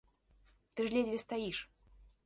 Ты ж ледзьве стаіш.